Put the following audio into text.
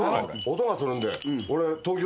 音がするんで俺今。